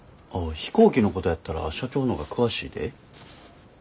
飛行機のことやったら社長の方が詳しいで？